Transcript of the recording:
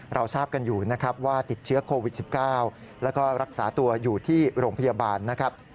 เราทราบกันอยู่นะครับว่าติดเชื้อโควิด๑๙แล้วก็รักษาตัวอยู่ที่โรงพยาบาลนะครับ